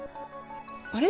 あれ？